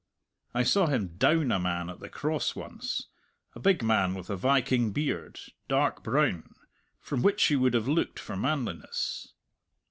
I saw him "down" a man at the Cross once, a big man with a viking beard, dark brown, from which you would have looked for manliness.